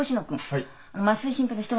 はい。